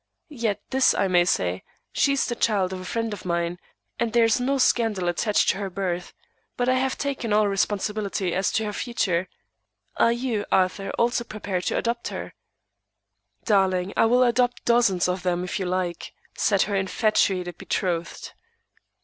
Yet this I may say: she is the child of a friend of mine, and there is no scandal attached to her birth, but I have taken all responsibility as to her future. Are you, Arthur, also prepared to adopt her?" "Darling, I will adopt dozens of them, if you like," said her infatuated betrothed.